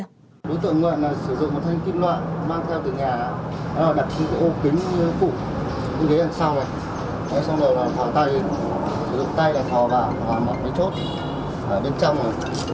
đối tượng ngọc nguyện sử dụng một thanh kim loại mang theo từ nhà đặt trên ô kính cũ như thế đằng sau này xong rồi thỏ tay sử dụng tay để thỏ vào mở mấy chốt ở bên trong này